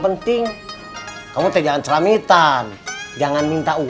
buat jabatan nisya